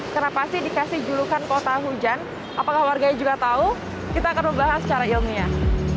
kenapa sih dikasih julukan kota hujan apakah warganya juga tahu kita akan membahas secara ilmiah